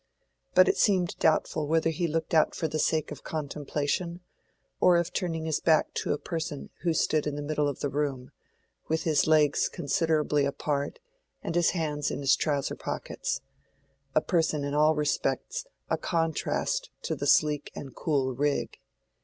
But it seemed doubtful whether he looked out for the sake of contemplation or of turning his back to a person who stood in the middle of the room, with his legs considerably apart and his hands in his trouser pockets: a person in all respects a contrast to the sleek and cool Rigg.